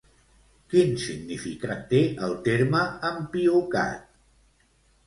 Quin significat té el terme empiocat?